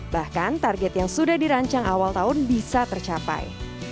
bahkan target yang sudah dirancang awal tahun bisa tercapai